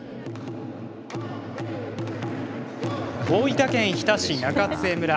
大分県日田市中津江村。